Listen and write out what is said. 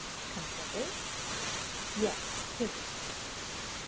"Come hither?" "Yes, hither."